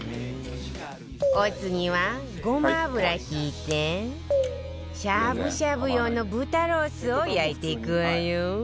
お次はごま油ひいてしゃぶしゃぶ用の豚ロースを焼いていくわよ